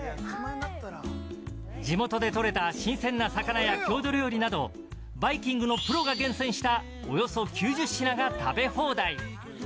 地元でとれた新鮮な魚や郷土料理などバイキングのプロが厳選したおよそ９０品が食べ放題。